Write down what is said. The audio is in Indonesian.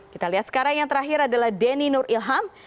kita lihat sekarang yang terakhir adalah denny nur ilham